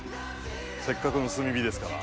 せっかくの炭火ですから。